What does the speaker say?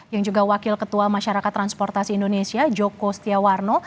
yang juga wakil ketua masyarakat transportasi indonesia joko setiawarno